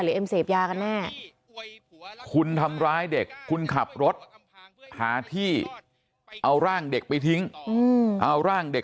เอ็มเสพยากันแน่คุณทำร้ายเด็กคุณขับรถหาที่เอาร่างเด็กไปทิ้งเอาร่างเด็ก